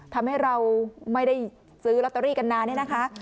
ทำให้เราไม่ได้ซื้อลอตเตอรี่กันนานเนี่ยนะคะ